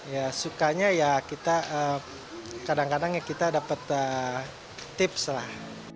ya sukanya ya kita kadang kadang ya kita dapat tips lah